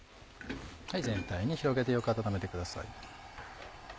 全体に広げてよく温めてください。